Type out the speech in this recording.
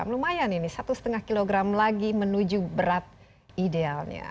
lumayan ini satu lima kg lagi menuju berat idealnya